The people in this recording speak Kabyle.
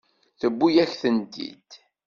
Tewwi-yak-tent-id.